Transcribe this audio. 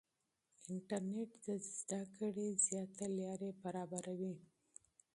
انټرنیټ د زده کړې متنوع لارې برابروي.